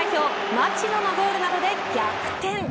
町野のゴールなどで逆転。